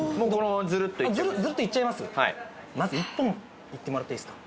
はいまず１本いってもらっていいですか？